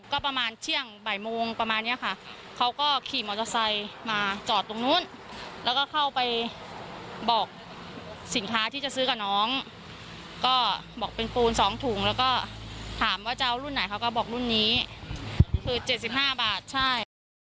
ก็ประมาณเที่ยงบ่ายโมงประมาณเนี้ยค่ะเขาก็ขี่มอเตอร์ไซค์มาจอดตรงนู้นแล้วก็เข้าไปบอกสินค้าที่จะซื้อกับน้องก็บอกเป็นปูน๒ถุงแล้วก็ถามว่าจะเอารุ่นไหนเขาก็บอกรุ่นนี้คือ๗๕บาทใช่